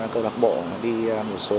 câu lạc bộ đi một số